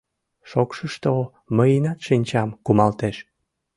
Шокшышто мыйынат шинчам кумалтеш.